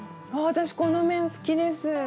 私この麺好きです。